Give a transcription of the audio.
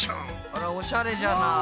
あらおしゃれじゃない。